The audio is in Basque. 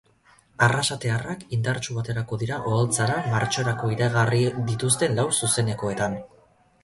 Arrasatearrak indartsu aterako dira oholtzara martxorako iragarri dituzten lau zuzenekoetan.